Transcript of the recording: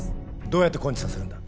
どうやって根治させるんだ？